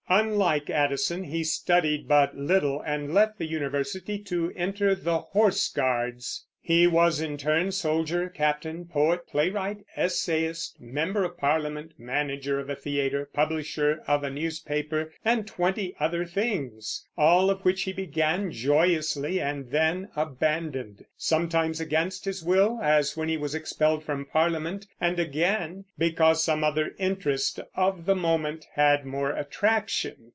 Unlike Addison, he studied but little, and left the university to enter the Horse Guards. He was in turn soldier, captain, poet, playwright, essayist, member of Parliament, manager of a theater, publisher of a newspaper, and twenty other things, all of which he began joyously and then abandoned, sometimes against his will, as when he was expelled from Parliament, and again because some other interest of the moment had more attraction.